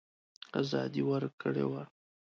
آزادي ورکړې وه.